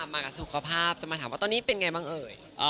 มากับสุขภาพจะมาถามว่าตอนนี้เป็นไงบ้างเอ่ย